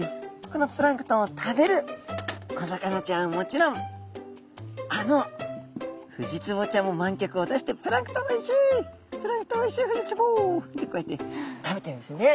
このプランクトンを食べる小魚ちゃんはもちろんあのフジツボちゃんも蔓脚を出して「プランクトンおいしいプランクトンおいしいフジツボ」ってこうやって食べてるんですよね。